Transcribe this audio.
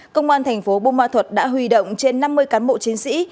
công an thành phố bumma thuật đã hủy động trên năm mươi cán bộ chiến sĩ